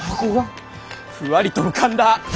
ふわりと浮かんだ。